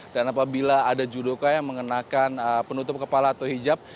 dan apabila ada judoka yang mengenakan penutup kepala atau hijab